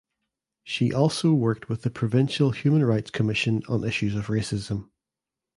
She also worked with the provincial human rights commission on issues of racism.